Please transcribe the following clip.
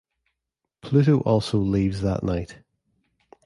Pluto also leaves that night.